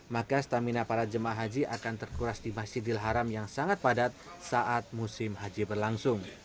maka stamina para jemaah haji akan terkuras di masjidil haram yang sangat padat saat musim haji berlangsung